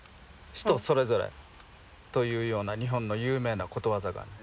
人それぞれというような日本の有名なことわざがある。